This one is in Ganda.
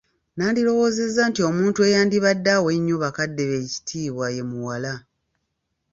Nandirowoozezza nti omuntu eyandibadde awa ennyo bakadde be ekitiibwa ye muwala.